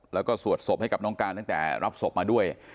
แล้วก็สวดศพให้กับน้องการตั้งแต่รับศพมาด้วย